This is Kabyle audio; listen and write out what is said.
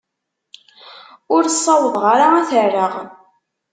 Ur ssawḍeɣ ara ad t-rreɣ.